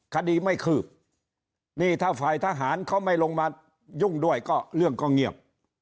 คดีไม่คืบนี่ถ้าฝ่ายทหารเขาไม่ลงมายุ่งด้วยก็เรื่องก็เงียบ